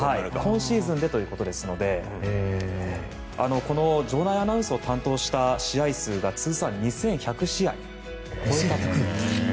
今シーズンでということですのでこの場内アナウンスを担当した試合数が通算２１００試合。